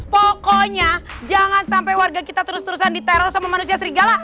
pokoknya jangan sampai warga kita terus terusan diteror sama manusia serigala